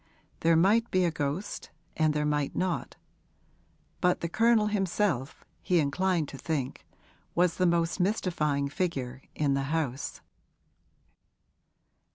There might be a ghost and there might not; but the Colonel himself, he inclined to think, was the most mystifying figure in the house.